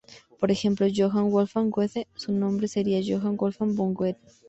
Por ejemplo, "Johann Wolfgang Goethe", su nombre sería Johann Wolfgang von Goethe.